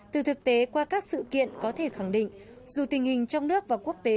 từ thực tế qua các sự kiện có thể khẳng định dù tình hình trong nước và quốc tế